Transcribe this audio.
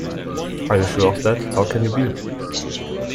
Are you sure of that? How can you be?